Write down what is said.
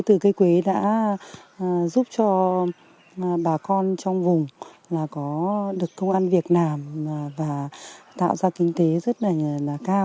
từ cây quế đã giúp cho bà con trong vùng là có được công an việt nam và tạo ra kinh tế rất là cao